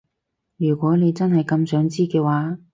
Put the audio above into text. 如果你真係咁想知嘅話